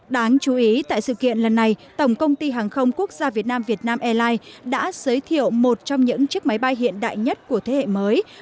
đáng chú ý tại sự kiện lần này tổng công ty hàng không quốc gia việt nam vietnam airlines đã giới thiệu một trong những chiếc máy bay hiện đại nhất của thế hệ mới